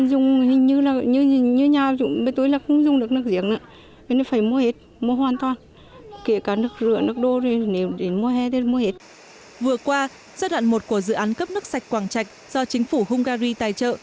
vừa qua giai đoạn một của dự án cấp nước sạch quảng trạch do chính phủ hungary tài trợ